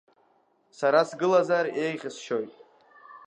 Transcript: Сара сгылазар еиӷьысшьоит.